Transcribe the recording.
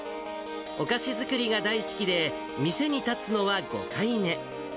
お菓子作りが大好きで、店に立つのは５回目。